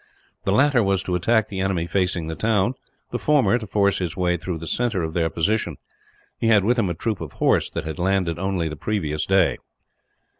The latter was to attack the enemy facing the town, the former to force his way through the centre of their position. He had with him a troop of horse, that had landed only the previous day.